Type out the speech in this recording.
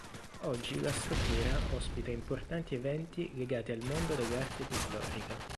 Oggi la struttura ospita importanti eventi legati al mondo dell'arte pittorica.